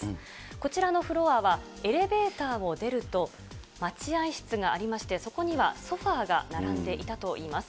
こちらのフロアはエレベーターを出ると待合室がありまして、そこにはソファーが並んでいたといいます。